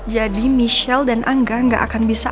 jadi michelle dan angga gak akan bisa